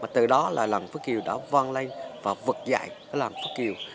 từ đó là làng phước kiều đã văn lây và vực dạy làng phước kiều